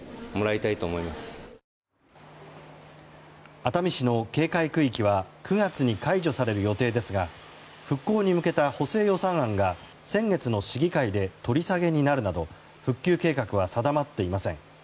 熱海市の警戒区域は９月に解除される予定ですが復興に向けた補正予算案が先月の市議会で取り下げになるなど復旧計画は定まっていません。